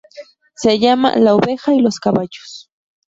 Se llama "La oveja y los caballos".